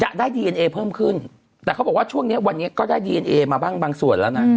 ได้ดีเอ็นเอเพิ่มขึ้นแต่เขาบอกว่าช่วงเนี้ยวันนี้ก็ได้ดีเอ็นเอมาบ้างบางส่วนแล้วนะ